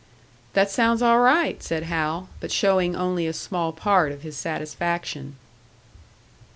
"That sounds all right," said Hal; but showing only a small part of his satisfaction!